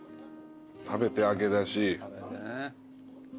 食べて揚げ出し。